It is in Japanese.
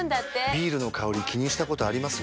ビールの香り気にしたことあります？